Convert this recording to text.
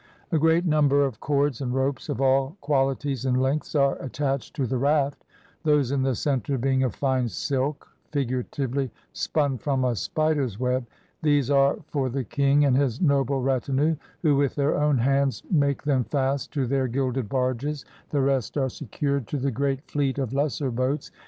A great number of cords and ropes of all qualities and lengths are attached to the raft, those in the center being of fine silk (figura tively, ''spun from a spider's web"). These are for the king and his noble retinue, who with their own hands make them fast to their gilded barges; the rest are se cured to the great fleet of lesser boats.